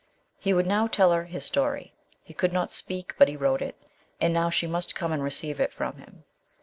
He would now tell her his story. He could not speak, but he wrote it, and now she must come and receive it from him.